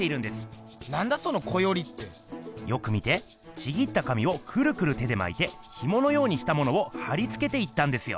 ちぎった紙をくるくる手でまいてひものようにしたものを貼りつけていったんですよ。